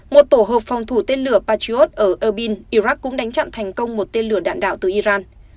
một tổ hợp phòng thủ tên lửa patriot ở abin iraq cũng đánh chặn thành công một tên lửa đạn đạo từ iran